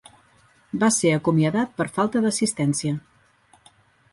Va ser acomiadat per falta d'assistència.